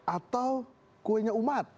atau kuenya umat